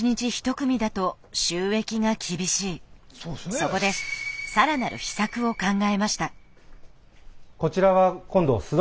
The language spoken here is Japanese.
そこでさらなる秘策を考えました。